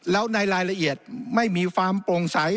แล้วในรายละเอียดไม่มีความโปร่งใส